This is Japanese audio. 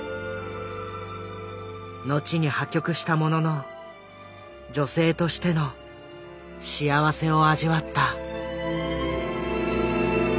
後に破局したものの女性としての幸せを味わった。